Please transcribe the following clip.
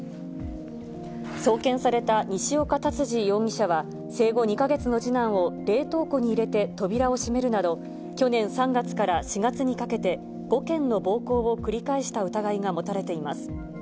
送検された西岡竜司容疑者は生後２か月の次男を冷凍庫に入れて扉を閉めるなど、去年３月から４月にかけて、５件の暴行を繰り返した疑いが持たれています。